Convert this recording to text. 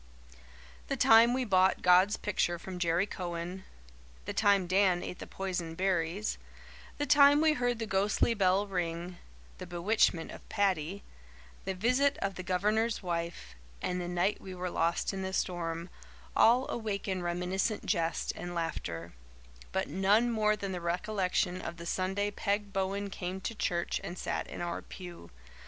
The time we bought God's picture from Jerry Cowan the time Dan ate the poison berries the time we heard the ghostly bell ring the bewitchment of Paddy the visit of the Governor's wife and the night we were lost in the storm all awaken reminiscent jest and laughter; but none more than the recollection of the Sunday Peg Bowen came to church and sat in our pew.